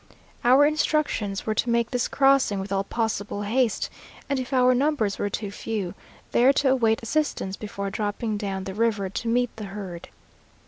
Our instructions were to make this crossing with all possible haste, and if our numbers were too few, there to await assistance before dropping down the river to meet the herd.